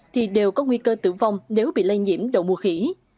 thì đều có nguy cơ tử vong nếu bị lây nhiễm đậu mùa khỉ